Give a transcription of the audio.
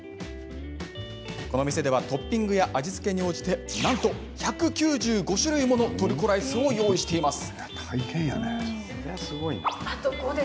この店ではトッピングや味付けに応じてなんと１９５種類ものトルコライスを用意しています。